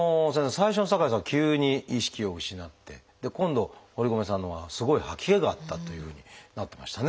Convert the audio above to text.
最初の酒井さんは急に意識を失ってで今度堀米さんのほうはすごい吐き気があったというふうになってましたね。